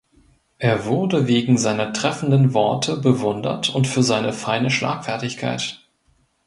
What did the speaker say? Er wurde wegen seiner treffenden Worte bewundert und für seine feine Schlagfertigkeit.